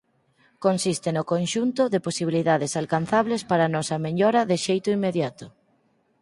Consiste no conxunto de posibilidades alcanzables para a nosa mellora de xeito inmediato.